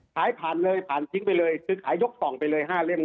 ขายผ่านเลยผ่านทิ้งไปเลยซื้อขายยกส่องไปเลย๕เล่ม